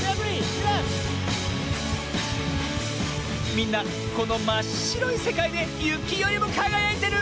みんなこのまっしろいせかいでゆきよりもかがやいてる！